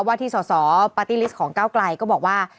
วาทิสสปาร์ตี้ลิสต์ของเก้ากลายก็บอกว่า